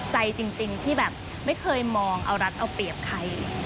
ใจจริงที่แบบไม่เคยมองเอารัฐเอาเปรียบใคร